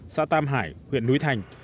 xã tam hải huyện núi thành